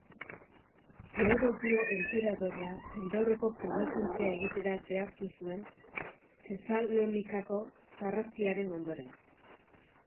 Teodosio enperadorea jendaurreko penitentzia egitera behartu zuen Tesalonikako sarraskiaren ondoren.